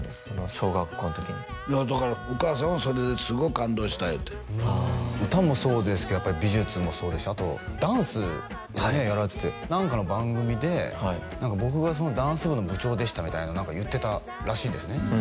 その小学校の時にいやだからお母さんはそれですごい感動した言うてああ歌もそうですけど美術もそうですしあとダンスもねやられてて何かの番組で僕がそのダンス部の部長でしたみたいなの何か言ってたらしいんですね